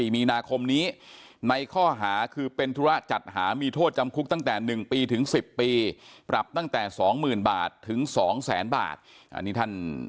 มีนาคมนี้ในข้อหาคือเป็นธุระจัดหามีโทษจำคุกตั้งแต่๑ปีถึง๑๐ปีปรับตั้งแต่๒๐๐๐บาทถึง๒แสนบาทอันนี้ท่าน